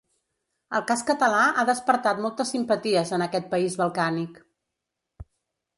El cas català ha despertat moltes simpaties en aquest país balcànic.